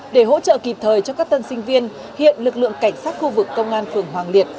để hỗ trợ kịp thời cho các tân sinh viên hiện lực lượng cảnh sát khu vực công an phường hoàng liệt